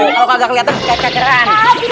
kalau nggak kelihatan kacaran